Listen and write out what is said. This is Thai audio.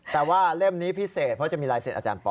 แต่ว่าเล่มนี้พิเศษเพราะจะมีลายเสร็จอาจารย์ปอ